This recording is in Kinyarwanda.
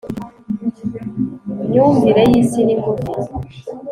myumvire y'isi ni ngufi